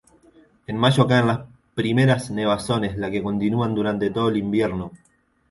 En mayo caen las primera nevazones las que continúan durante todo el invierno.